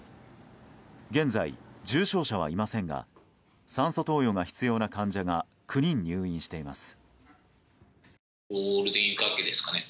現在、重症者はいませんが酸素投与が必要な患者が９人入院しています。